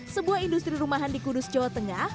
sebuah industri rumahan di kudus jawa tengah